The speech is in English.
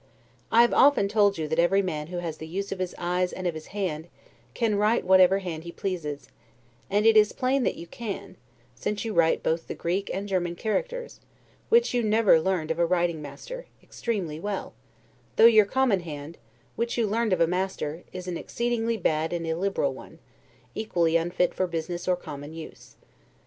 I have often told you that every man who has the use of his eyes and of his hand, can write whatever hand he pleases; and it is plain that you can, since you write both the Greek and German characters, which you never learned of a writing master, extremely well, though your common hand, which you learned of a master, is an exceedingly bad and illiberal one; equally unfit for business or common use.